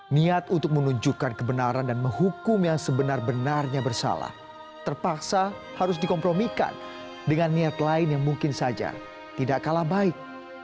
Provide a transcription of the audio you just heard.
niat untuk menunjukkan kebenaran dan menghukum yang sebenar benarnya bersalah terpaksa harus dikompromikan dengan niat lain yang mungkin saja tidak kalah baik